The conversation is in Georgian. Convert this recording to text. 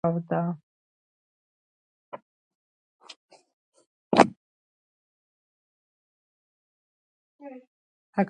თუმცა, ადგილობრივ საბჭოებს შეუძლიათ მათთვის დასახლებისთვის გამოყოფილი ბიუჯეტის ფარგლებში მცირეოდენი ღონისძიებისთვის თვითონ გადაწყვეტილება.